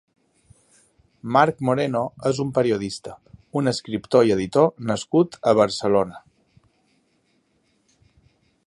Marc Moreno és un periodista, un escriptor i editor nascut a Barcelona.